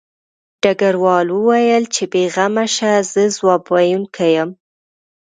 ډګروال وویل چې بې غمه شه زه ځواب ویونکی یم